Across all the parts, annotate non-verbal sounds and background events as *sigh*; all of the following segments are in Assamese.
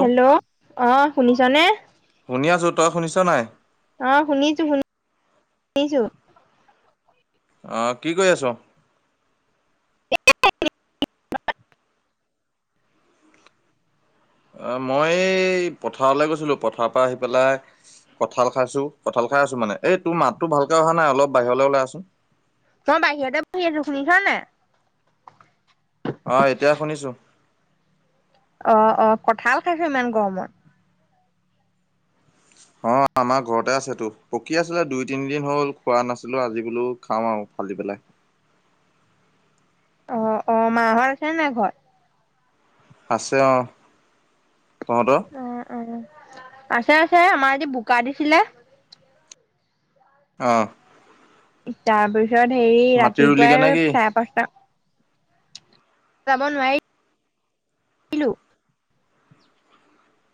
হেল্ল' অ শুনিছনে? শুনি আছো। তই শুনিছ নাই? অ শুনিছো, শুনি শুনি ছো। অ কি কৰি আছ? *unintelligible* মই এই পথাৰলৈ গৈছিলো পথাৰৰ পৰা আহি পেলাই কঁঠাল খাইছো কঁঠাল খাই আছো মানে এই তোৰ মাতটো ভালকে অহা নাই অলপ বাহিৰলৈ ওলাই আচোন। মই বাহিৰতে বহি আছো। শুনিছ নাই? অ এতিয়া শুনিছো। অ অ কঁঠাল খাইছো ইমান গৰমত। অ আমাৰ ঘৰতে আছেতো পকী আছিলে দুই তিনিদিন হ'ল খোৱা নাছিলোঁ আজি বোলো খাওঁ আও। খলি পেলাই। অ' অ' মাহত আছে নাই ঘৰত? আছে অ' তহঁতৰ? অ অ আছে! আছে! আমাৰ আজি বোকা দিছিলে অঁ। তাৰপিছত হেৰি মাটি ৰুলিগে নে ৰাতিপুৱাই কি? চাৰে পাঁচটা যাব নোৱাৰি ইলো।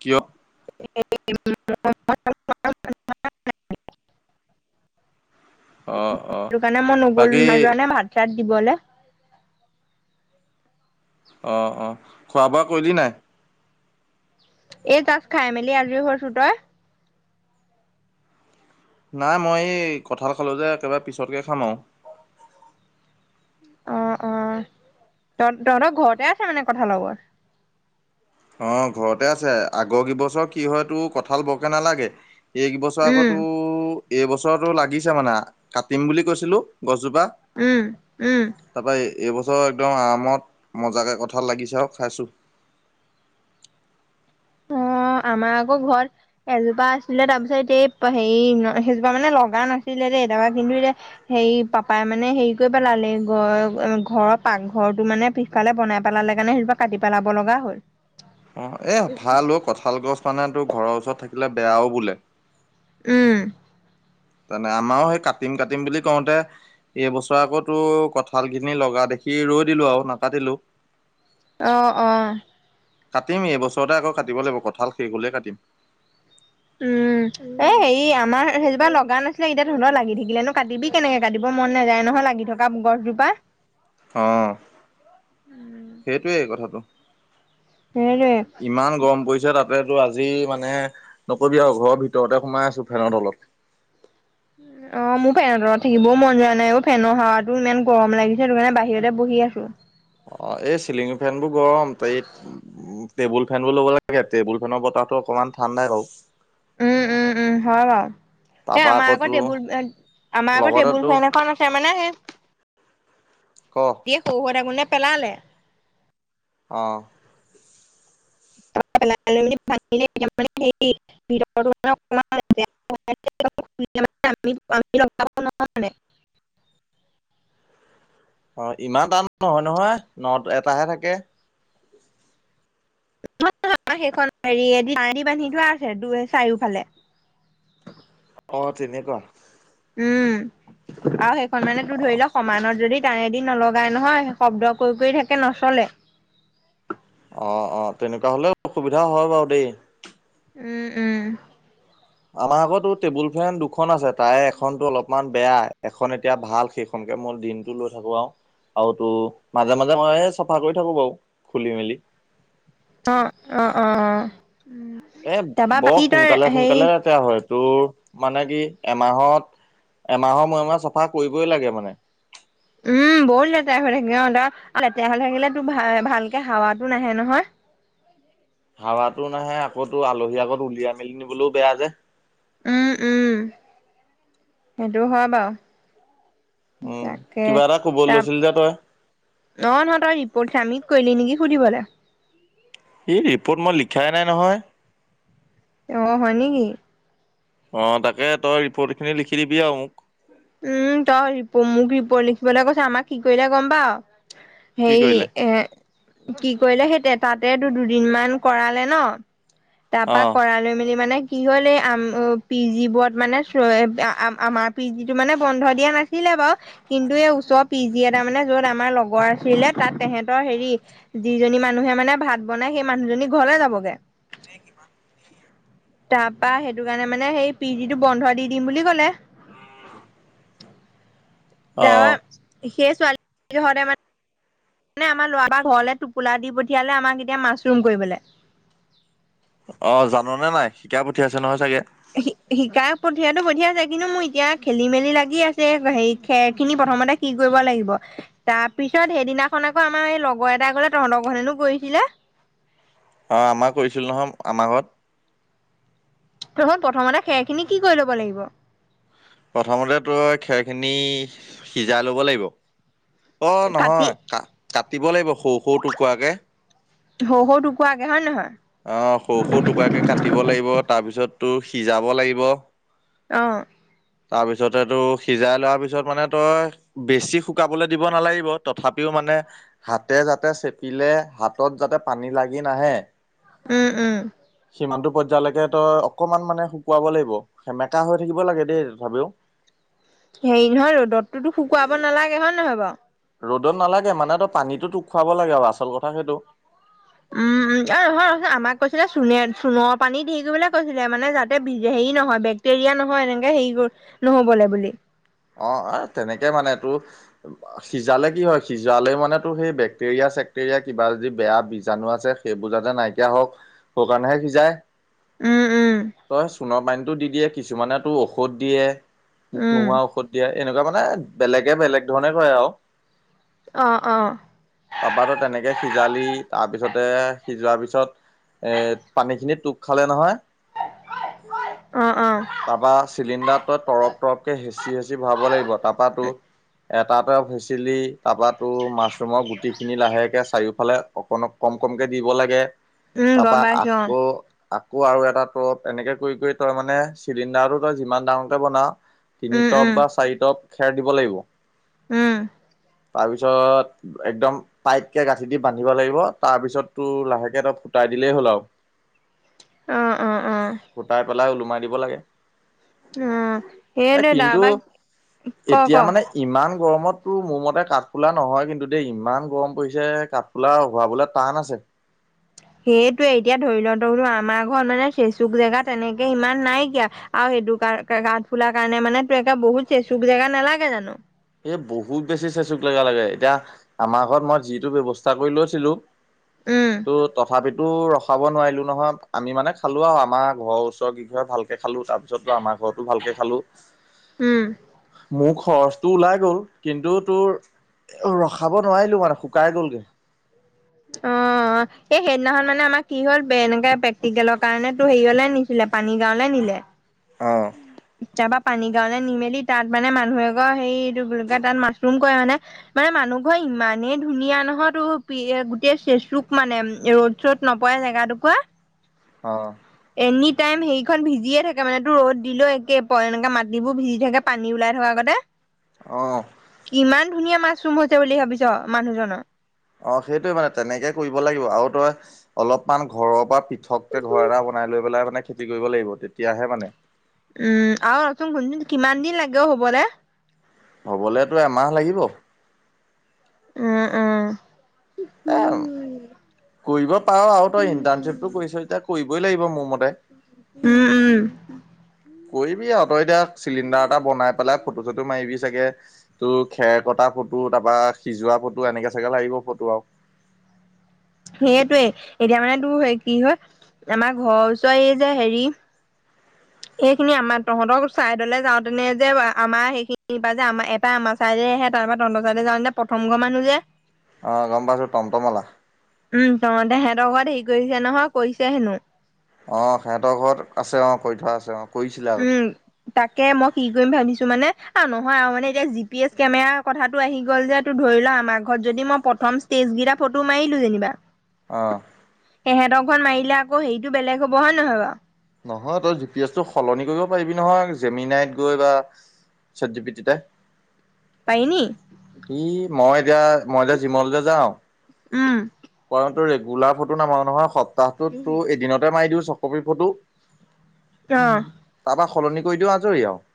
কিয়? এই *inaudible* অ' অ' সেইটো কাৰণে মই বাকী নগলো নযোৱা নাই ভাত- চাত দিবলৈ। অঁ অঁ খোৱা বোৱা কৰিলি নাই? এই জাষ্ট খাই মেলি আজৰি হৈছো। তই? নাই মই এই কঁঠাল খালোঁ যে একেবাৰে পিছতকৈ খাম আৰু। অ' অ' তহ তহঁতৰ ঘৰতে আছে মানে কঠালৰ গছ? অ' ঘৰতে আছে আগৰ কেইবছৰ কি হয় তোৰ কঁঠাল বৰকে নালাগে এইবছৰ আকো উম টোৰ এইবছৰতো লাগিছে মানে কাটিম বুলি কৈছিলো! গজোপা উম উম তপ এইবছৰ একদম আৰামত মজাকৈ কঁঠাল লাগিছে আৰু খাইছোঁ। অ' আমাৰ আকৌ ঘৰত এজোপা আছিলে তাৰপিছত এতিয়া হেৰি সেইজোপা মানে লগা নাছিলে দেই এতিাৰপা কিন্তু এতিয়া হেৰি পাপাই মানে হেৰি কৰি পেলালে ঘ ঘৰৰ পাকঘৰৰতটো মানে সকালে বন পেলালে কাৰণে সেইটোৰ পৰা কাটি পেলাব লগা হ'ল। অ' এ ভাল কঁঠাল গছ মানে তোৰ ঘৰৰ ওচৰত থাকিলে বেয়াও বোলে। উম তানে আমাৰও সেই কাটিম কাটিম বুলি কওঁতে এইবছৰ আকৌ তোৰ কঁঠাল খিনি লগা দেখি ৰৈ দিলো আৰু নাকতিলো। অ অ! কাটিম এইবছৰতে আকৌ কাটিব লাগিব, কঁঠাল শেষ হলেই কাটিম। উম এ' হেৰি আমাৰ সেইজপা লগা নাছিলে এতিয়া ধ লৰ লাগি থাকিলেনো কাটিবি কেনেকে কাটিব মন নাযায় নহয় লাগি থকা গছজোপা! অ সেইটোৱেই কথাটো। এ ইমান গৰম পৰিছে তাত তাতেতো আজি মানে নকবি আৰু ঘৰৰ ভিতৰতে সোমাই আছো ফেনৰ তলত! অ' মোৰ ফেনৰ তলত থাকিবও মন যোৱা নাই অ', ফেনৰ হাৱাটো ইমান গৰম লাগিছে সেইটো কাৰণে বাহিৰতে বহি আছো। অ' এই চিলিং ফেন বোৰ গৰম এই উম, টেবুল ফেনো ল'ব লাগে। টেবুল ফেনৰ বতাহো অকনমান ঠাণ্ডাই বাৰু উম উম উম হয় বাৰু। সেই তাৰপা আমাৰ আকৌ তোৰ টেবুলে আমাৰ আগৰ টেবুল লগতেতো ফেন এখন আছে মানে সেই ক! এই সৰু হয় থাকোতে পেলালে অঁ। সেই *inaudible* অ', ইমান টান নহয় নহয়, ন-এটাহে থাকে। মাৰ সেইখন হেৰি দি, তাৰে দি বান্ধি থোৱা আছে দুই-চাৰিওফালে। অ', তেনেকুৱা। উম, আৰু সেইখন মানে তোৰ ধৰি ল সমানত যদি তাৰে দি নলগাই নহয়, শব্দ কৰি কৰি থাকে, নচলে। অ' অ', তেনেকুৱা হলে অসুবিধা হয় বাৰু দেই। উম, উম। আমাৰ আগতো টেবুল ফেন দুখন আছে। তাৰে এখনতো অলপমান বেয়া, এখন এতিয়া ভাল সেইখ খনকে মই দিনটো লৈ থাকো আৰু। আৰু তো মাজে মাজে মইয়ে চাফা কৰি থাকোঁ বাৰু, খুলি-মেলি। অ' অ' অ' অ' এ তাৰপা বৰ বাকী তই হেৰি সোনকালে-সোনকালে হয়, তোৰ মানে কি, এমাহত এমাহৰ মূৰে মূৰে চফা কৰিবই লাগে মানে। উম, বহুত লেতেৰা হৈ থাকে, অ' তাত লেতেৰা হৈ থাকিলে তো ভা-ভালকে হাৱাতো নাহে নহয়। হাৱাতো নাহে, আকৌতো আলহী আগত উলিয়াই-মেলি নিবলৈও বেয়া যে। উম, উম, সেইটো হয় বাও। উম তাকে, কিবা এটা কব লৈছিলি যে তই নহয় নহয়, তই ৰিপৰ্ট চাবমিট কৰিলি নেকি সুধিবলে? এই ৰিপৰ্ট মই লিখাই নাই নহয়। অ' হয় নেকি? অ' তাকে তই ৰিপৰ্টখিনি লিখি দিবি আৰু মোক। উম, তই মোক ৰিপৰ্ট লিখিবলৈ কৈছ, আমাক কি কৰিলে গম পাৱ? কি হেৰি, কৰিলে এ কি কৰিলে? সেইতে তাতেতো দুদিনমান কৰালে ন? তাৰপা কৰাই লৈ মেলি মানে কি হ'ল এই আম পি জিবোৰত মানে, আমাৰ পি জি টো মানে বন্ধ দিয়া নাছিলে বাও। কিন্তু এই ওচৰৰ পি জি এটা মানে যত আমাৰ লগৰ আছিলে, তাত তেহেতৰ হেৰি যিজনী মানুহে মানে ভাত বনাই, সেই মানুহজনী ঘৰলে যাবগে। তাৰপা সেইটো কাৰণে মানে সেই পি জিটো বন্ধ দি দিম বুলি ক'লে। অ যাবা অ সেই ছোৱালী ঘৰতে মানে মানে আমাৰ ল'ৰা পৰা ঘৰলে টোপোলা দি পঠিয়ালে, আমাক এতিয়া মাছৰুম কৰিবলে। অ', জাননে নাই শিকাই পঠিয়াইছে নহয় চাগে? শি-শিকাই‌ পঠিয়াতো পঠিয়াইছে, কিন্তু মোৰ এতিয়া খেলি-মেলি লাগি আছে হে, খেৰ খিনি প্ৰথমতে কি কৰিব লাগিব? তাৰ পিছত সেইদিনাখন আকৌ আমাৰ এই লগৰ এটাই ক'লে, তহত ঘৰত হেনো কৰিছিলে। অঁ, আমাৰ কৰিছিলোঁ নহয় আমাৰ ঘৰত। *unintelligible* প্ৰথমতে খেৰ খিনি কি কৰি ল'ব লাগিব? প্ৰথমতে তই খেৰখিনি সিজাই ল'ব লাগিব। অ' নহয় কাটি কা-কাটিব লাগিব সৰু-সৰু টুকুৰাকে। সৰু-সৰু টুকুৰাকে হয় নে নহয়? অঁ, সৰু-সৰু টুকৰাকে কাটিব লাগিব, তাৰপিছত তোৰ সিজাব লাগিব। অ'। তাৰপিছতেতো সিজাই লোৱাৰ পিছত মানে তই বেছি শুকাবলে দিব নালাগিব, তথাপিও মানে হাতে যাতে চেপিলে হাতত যাতে পানী লাগি নাহে। উম উম। সিমানতটো পৰ্যায়লৈকে তই অকমান মানে শুকুৱাব লাগিব সেমেকা হৈ থাকিব লাগে দেই। তথাপিও। হেৰি নহয় ৰদটো শুকাব নালাগে হয় নহয় বাৰু। ৰ'দত নালাগে মানে তো পানীতো তোক খুৱাব লাগে আৰু আচল কথা সেইটো। উম উম। অ নহয় ৰচোন আমাক কৈছিলে চোণে চোণ পানী ধেৰি কৰিবলে কৈছিলে মানে যাতে ভিজে হেৰি নহয় বেগ- তেৰিয়া নহয় এনেকে হেৰি কৰ নহ'বলৈ বুলি। অ তেনেকে মানে টো। সিজালে কি হয় সিজালে মানেতো সেই বেক্টেৰিয়া চেক্টেৰিয়া কিবা যদি বেয়া বীজাণু আছে। সেইবোৰজাতে নাইকিয়া হওক সোৰ কাৰণেহে সিজাই। উম উম তই চোণৰ পানীতটো দি দিয়ে কিছুমানে তটো ঔষধ দিয়ে। মোক উম নোহোৱা ঔষধ দিয়া এনেকুৱা মানে বেলেগে বেলেগ ধৰণে কৰে আৰু। অঁ'অঁ' তাপাটো তেনেকে সিজালি তাৰপিছতে সিজোৱাৰ পিছত- এ পানী খিনি টোপ খালে নহয়। অঁ'অঁ' তাৰপা চিলিণ্ডাৰটো তৰপ তৰপকৈ হেঁচি হেঁচি ভৰাব লাগিব তাৰপাটো- এটাতে হেছিলি তাৰপৰা তোৰ মাছৰুমৰ গুটিখিনি লাহেকে চাৰিওফালে- অকনক কম কমকে দিব লাগে উম গম তাৰপা পাইছো অ আকৌ- আকৌ আৰু এটা তৰপ এনেকে কৰি কৰি তই মানে চিলিণ্ডাৰটো তই যিমান ডাঙৰকে বনাঅ। তিনি উম টপ উম বা চাৰি টপ খেৰ দিব লাগিব। উম। তাৰপিছত একদম- তায়েতকে গাঁঠি দি বান্ধিব লাগিব তাৰপিছত তোৰ লাহেকে তই ফুটাই দিলেই হ'ল আৰু। অ অ অ অ ফুটাই পেলাই ওলোমাই দিব লাগে। উম এই এ এনে ডাঙৰ কিন্তু বাইক ক এতিয়া ক। মানে ইমান গৰমততো মোৰ মতে কাঠফোুলা নহয় কিন্তু দেই ইমান গৰম পৰিছে কাঠ- ফোলা ওলাবলে টান আছে। সেইটোৱে এতিয়া ধৰি লওঁ তলো আমাৰ ঘৰত মানে চেচুক জেগা তেনেকে ইমান নাই এতিয়া। আৰু সেইটো কাৰ কাঠফুলাৰ কাৰণে মানে তে বহুত চেচুক জেগা নালাগে জানো। এই বহুত বেছি চেচুক জেগা লাগে এতিয়া আমাৰ ঘৰত মই যিটো ব্যৱস্থা কৰি লৈছিলো। উম ত' তথাপিতো- তো ৰখাব নোৱাৰিলো নহয় আমি মানে খালো আৰু আমাৰ ঘৰৰ ওচৰ কিঘৰে ভালকে খালো তাৰপিছত- পিছতটো আমাৰ ঘৰতো ভালকে খালোঁ। উম। মোৰ খৰচ। তোৰ ওলাই গ'ল কিন্তু তোৰ ৰখাব নোৱাৰিলোঁ মানে শুকাই গ'লগে। অঁ' অঁ'এই সেইদিনাখন মানে আমাৰ কি হল এনেকে প্ৰেক্টিকেলৰ কাৰণে তো হেৰিয়লে নিছিলে পানী গাঁৱলে নিলে। অঁ' এবাৰ পানী গাঁৱেলে নি মেলি তাত মানে মানুহে এঘৰ সেইটো বুলি কৈ তাত মাছৰুম কৰে মানে। মানে মানুহ ঘৰ ইমানেই ধুনীয়া নহয় ত গোটেই চেচুক মানে ৰ- ৰ'দ নপৰে জেগা টুকুৰা। অঁ' এনি টাইম সেইখন ভিজিয়ে থাকে মানে তোৰ ৰ'দ দিলে কেপ এনেকে মাটিবোৰ ভিজি থাকে পানী ওলাই থকাকতে অ কিমান ধুনীয়া মাচৰুম হৈছে বুলি ভাবিছ মানুহজনৰ অ সেইটোয়ে মানে তেনেকে কৰিব লাগিব আৰু তই অলপমান ঘৰৰ পৰা ওখকে ঘৰ এটা বনাই লৈ পেলাই মানে খেতি কৰিব লাগিব তেতিয়াহে মানে উম আৰু ৰচোন শুনচোন কিমান দিন লাগে অ হবলে হ'বলেতো এমাহ লাগিব উম উম এ কৰিব পাৰ আৱ তই ইণ্টাৰ্ণশ্বিপটো কৰিছ যেতিয়া কৰিবই লাগিব মোৰ মতে উম উম কৰিবি আৱ তই এতিয়া চিলিণ্ডাৰ এটা বনাই পেলাই ফটো চটো মাৰিবি চাগে তোৰ খেৰ কটা ফটো তাৰপৰা সিজোৱা ফটো এনেকে চাগে লাগিব ফটো আৰু সেইটোৱেই এতিয়া মানে তোৰ কি হয় আমাৰ ঘৰৰ ওচৰ এই যে হেৰি এইখিনি আমাৰ তহঁতৰ ছাইদলে যাওঁতেনে যে আমাৰ সেইখিনি পা যে আমাৰ আমাৰ চাইডে আহে তাৰপা তহতৰ চাইডে যাওঁতে প্ৰথম ঘৰ মানুহ যে অ গম পাইছো টম টমৱালা উম তহঁতে সেহঁতৰ ঘৰত হেৰি কৰিছে নহয় কৰিছে হেনো অ সিহঁতৰ ঘৰত আছে অ কৰি থোৱা আছে অ কৰিছিলে আগতে উম তাকে মই কি কৰিম ভাবিছো মানে অ নহয় আৰু মানে এতিয়া জি পি এছ কেমেৰা কথাটো আহি গ'ল যে টো ধৰি লোৱা আমাৰ ঘৰত যদি মই প্ৰথম ষ্টেজ কেইটা ফটো মাৰিলো যেনিবা অ সিহঁতৰ মাৰিলে আক হেৰিটো বেলেগ হব হয় নহয় বাও নহয় তই জি পি এছ সলনি কৰিব পাৰিবি নহয় জেমিনাইত গৈ বা চেটজি পিতিটে পাৰি নি ই মই এতিয়া মই এতিয়া জিমলৈ যে যাম উম মই সিহঁতৰ ৰেগুলাৰ ফটো নামাৰো নহয় সপ্তাহটোত তোৰ এদিনতে মাৰি দিও ছয়কপি ফটো অ অ তাৰপৰা সলনি কৰি দিও আজৰি আৰু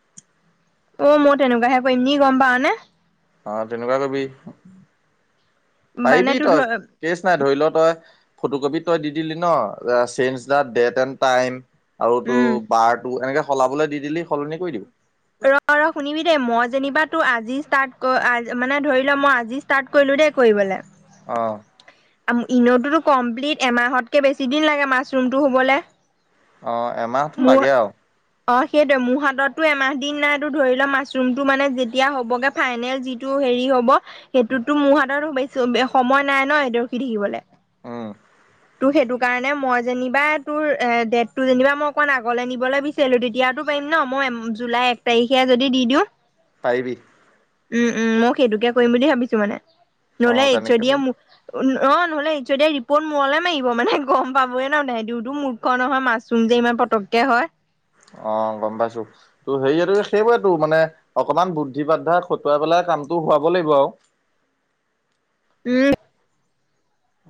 অ মই তেনেকুৱাহে কৰিম নি গম পাওঁ নে অ তেনেকুৱা কৰিবি মানে পাৰিবি তোৰ ধ তই চেনচ নাই ধৰি ল তই ফটো কপি তই দি দিলি ন চেনচ আ ডেত এন টাইম আৰু তোৰ উম বাৰটো এনেকে সলাবলৈ দি দিলি সলনি কৰি দিম ৰ ৰ শুনিবি দেই মই যেনিবা ত আজি ষ্টাৰ্ট মানে ধৰি লোৱা মই আজি ষ্টাত কৰিলো দেই কৰিবলে অ আ ইনেতো কমপ্লিট এমাহতকে বেছি দিন লাগে মাছৰুমটো হবলে অ এমাহতো মোৰ লাগে আৱ অ সেইটোয়ে মোৰ হাতততো এমাহ দিন নাইটো ধৰি লোৱা মাছৰুমটো মানে যেতিয়া হ'বগে ফাইনেল যিটো হেৰি হ'ব সেইটোতো মোৰ হাতত সম সময় নাই ৰখি থাকিবলে অ সেইটো কাৰণে মই যেনিবা তোৰ এ ডেটটো যেনিবা মই অকন আগলে নিবলে বি বিচাৰিলো তেতিয়াতো পাৰিম ন মই জুলাই এক তাৰিখে যদি দি দিওঁ পাৰিবি। উম, উম মই সেইটোকে কৰিম বুলি ভাবিছোঁ মানে অ নহ'লে তেনেকে এডচ'দি পাৰি মোক অ', নহ'লে ই দে ৰিপৰ্ট মূলে মাৰিব মানে গ'ম পাবে ন নাই দাইতো ম নহয় মাছৰুম যে ইমান পটককে হয়। অ', গ'ম পাইছোঁ। ত' সেৰিয়টো সেইবটো মানে অকমান বুদ্ধি বাধা খটুৱাই পেলাই কামটো হোৱাব লাগিব আৰু। উম।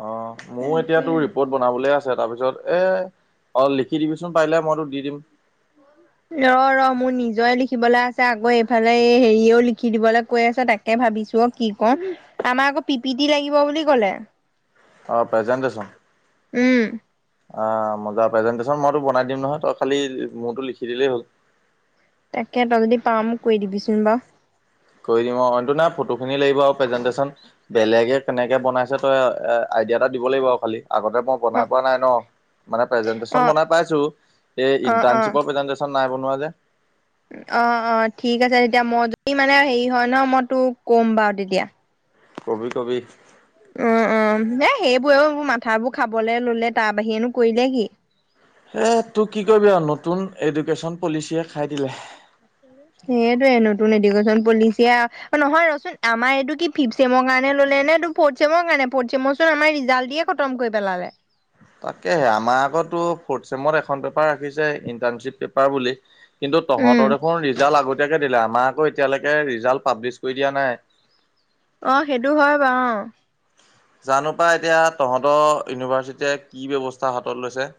অ', মোৰ তাকে এতিয়াতো ৰিপৰ্ট বনাবলে আছে তাৰ পিছত এ অ', লিখি দিবিচোন পাৰিলে মইতো দি দিম। ৰ, ৰ মোৰ নিজয় লিখিবলৈ আছে আকৌ এইফালে হেৰিয়ও লিখি দিবলৈ কৈ আছে তাকে। তাকে ভাবিছোঁ অ', কি ক'ম আমাৰ আকৌ পি পি টি লাগিব বুলি ক'লে। অ', প্ৰেজেণ্টেশচন উম। অ', মজা প্ৰেজেন্টেশচন মইতো বনাই দিম নহয় তই খালি মোৰতো লিখি দিলেই হ'ল। তাকে তই যদি পাম মোক কৈ দিবিচোন বাৰ। কৰি দিম অটো নাই ফটোখিনি লাগিব আৰু প্ৰেজেনটেচন বেলেগে কেনেকে বনাইছে তই এ আইডিয়া এটা দিব লাগিব আৰু খালি আগতে মই বনাই অ' পোৱা নাই ন মানে প্ৰেজেন্টন অ' বনাই পাইছোঁ এই অ' অ' ইন্টাশ্বিপৰ প্ৰেজেন্টচন নাই বনোৱা যে অ', অ', ঠিক আছে তেতিয়া মই যদি মানে হেৰি হয় ন মই তোক ক'ম বাৰু তেতিয়া কবি, কবি। উম, উম এ সেইবোৰওোৰ মাথাবোৰ খাবলে ললে তাৰ বাহিৰেনো কৰিলে কি। এই তোক কি কৰিবি আৰু নতুন এডুকেশ্যন পলিচিয়ে খাই দিলে। *inaudible* সেইটোয়ে নতুন এডুকেশ্যন পলিচিয়ে অ', নহয় ৰচোন আমাৰ এইটো কি ফিফ্ চেমৰ কাৰণে ললে নে এইটো। ফ'ৰ্থ চেমৰ কাৰণে ফ'ৰ্থ চেমৰচোন আমাৰ ৰিজাল্ট দিয়ে খতম কৰি পেলালে। তাকেহে আমাৰ অক তোৰ ফৰ্থ চেমত এখন পেপাৰ ৰাখিছে ইন্টাৰ্ণশ্বিপ পেপাৰ বুলি। কিন্তু উম, তহঁতৰ দেখোন ৰিজাল্ট আগতীয়াকৈ দিলে আমাৰ আকৌ এতিয়ালৈকে ৰিজাল্ট পাব্লিছ কৰি দিয়া নাই। অ', সেইটো হয় বাৰু অ'। জানো পাই এতিয়া তহঁতৰ ইউনিভাৰ্চিটিয়ে কি ব্যৱস্থা হাতত লৈছে।